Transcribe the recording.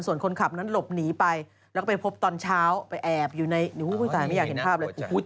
ส่วนคนขับนั้นหลบหนีไปแล้วก็ไปพบตอนเช้าไปแอบอยู่ในสายไม่อยากเห็นภาพเลย